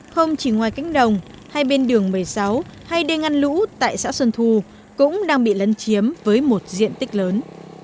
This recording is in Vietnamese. không chỉ ngoài cánh đồng hai bên đường một mươi sáu hay đê ngăn lũ tại xã xuân thu cũng đang bị lấn chiếm với một diện tích lớn